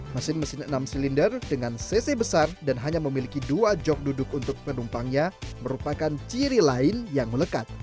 mesin mesin enam silinder dengan cc besar dan hanya memiliki dua jog duduk untuk penumpangnya merupakan ciri lain yang melekat